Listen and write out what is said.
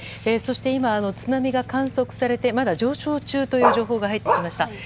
そして今、津波が観測されてまだ上昇中という情報が入ってきました。